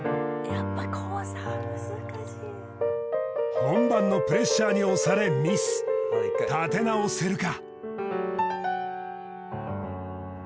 本番のプレッシャーにおされミス立て直せるか？